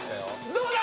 どうだ？